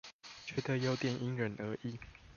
覺得有點因人而異